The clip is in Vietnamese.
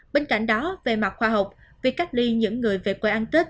bên cạnh đó về mặt khoa học việc cách ly những người về quê ăn tết